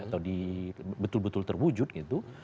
atau betul betul terwujud gitu